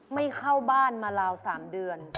ไม่เข้าบ้านมาราว๓เดือน